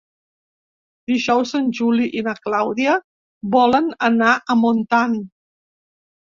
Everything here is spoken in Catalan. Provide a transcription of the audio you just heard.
Dijous en Juli i na Clàudia volen anar a Montant.